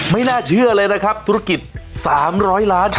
ไม่น่าเชื่อเลยนะครับธุรกิจ๓๐๐ล้าน